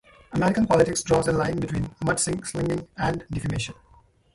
American politics draws a line between "mud slinging" and defamation.